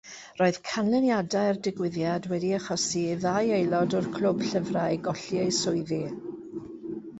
Roedd canlyniadau'r digwyddiad wedi achosi i ddau aelod o'r clwb llyfrau golli eu swyddi.